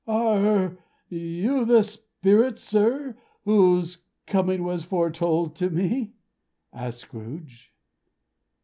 "Are you the Spirit, sir, whose coming was foretold to me?" asked Scrooge.